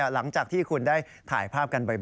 หลังจากที่คุณได้ถ่ายภาพกันบ่อย